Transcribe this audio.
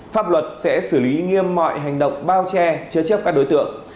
pháp luật sẽ xử lý nghiêm mọi hành động bao che chứa chấp các đối tượng